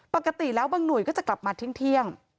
ปกติแล้วบางหน่วยก็จะกลับมาเที่ยง